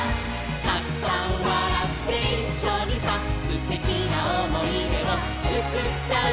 「たくさん笑っていっしょにさ」「すてきなおもいでをつくっちゃうんだ」